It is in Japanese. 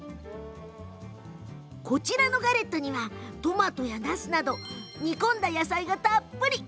こちらのガレットにはトマトやなすなどを煮込んだ野菜がたっぷり。